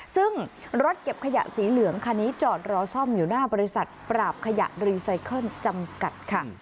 ซึ่งรถเก็บขยะสีเหลืองคันนี้จอดรอซ่อมอยู่หน้าบริษัทปราบขยะรีไซเคิลจำกัดค่ะ